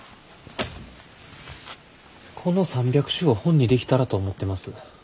この３００首を本にできたらと思ってます。